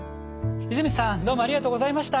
泉さんどうもありがとうございました。